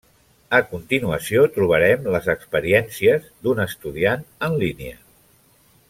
A continuació trobarem les experiències d'un estudiant en línia.